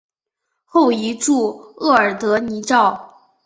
后移驻额尔德尼召。